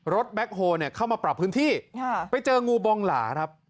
แบ็คโฮลเข้ามาปรับพื้นที่ไปเจองูบองหลาครับ